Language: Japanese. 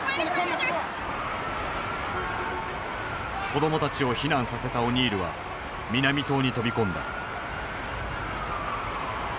子供たちを避難させたオニールは南棟に飛び込んだ。